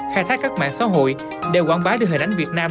khai thác các mạng xã hội đều quảng bá đưa hình ảnh việt nam